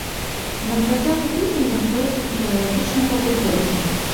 На працягу тыдня ён пройдзе на філалагічным факультэце.